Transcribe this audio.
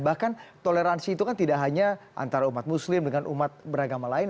bahkan toleransi itu kan tidak hanya antara umat muslim dengan umat beragama lain